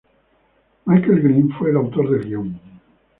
Michael Green fue el autor del guion.